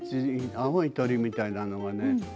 青い鳥みたいなのがね